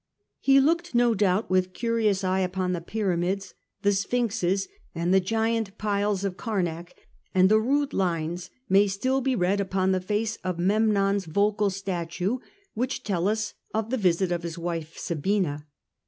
He looked no doubt with curious eye upon the pyramids, the sphinxes, and the giant piles of Carnac, and the rude lines may still be read upon the face of Memnon's vocal statue which tell us of the visit of his wife Sabina.